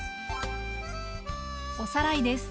おさらいです。